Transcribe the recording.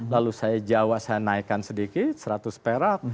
lalu saya jawa saya naikkan sedikit seratus perak